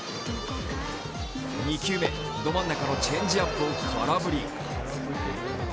２球目、ど真ん中のチェンジアップを空振り。